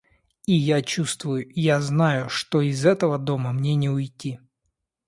И я чувствую, я знаю, что из этого дома мне не уйти.